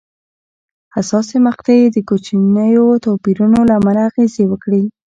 حساسې مقطعې د کوچنیو توپیرونو له امله اغېزې وکړې.